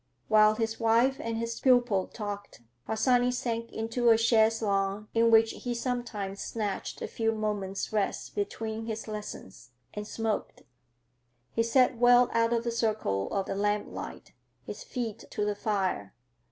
While his wife and his pupil talked, Harsanyi sank into a chaise longue in which he sometimes snatched a few moments' rest between his lessons, and smoked. He sat well out of the circle of the lamplight, his feet to the fire.